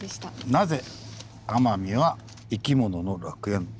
「なぜ奄美は生き物の楽園⁉」。